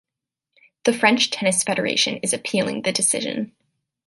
The French Tennis Federation is appealing the decision.